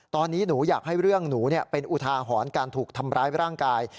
ตอนนี้หนูอยากให้เรื่องหนูเป็นอุทาหรณ์การถูกทำร้ายร่างกาย